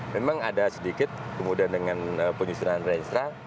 memang ada sedikit kemudian dengan penyusunan re instra